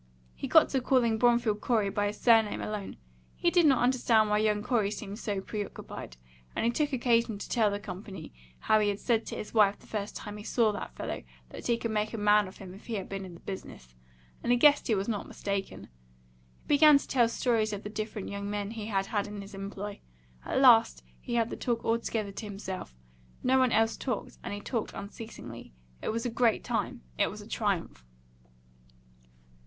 He got to calling Bromfield Corey by his surname alone. He did not understand why young Corey seemed so preoccupied, and he took occasion to tell the company how he had said to his wife the first time he saw that fellow that he could make a man of him if he had him in the business; and he guessed he was not mistaken. He began to tell stories of the different young men he had had in his employ. At last he had the talk altogether to himself; no one else talked, and he talked unceasingly. It was a great time; it was a triumph.